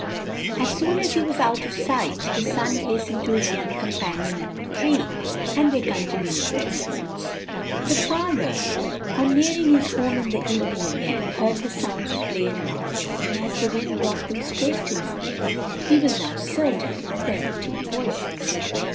As soon as he was out of sight, his son hastened to his young companion at the tree, and they continued their sports. The father on nearing his home in the evening again heard the sounds of play and laughter; and as the wind brought them straight to his ear, he was now certain that there were two voices.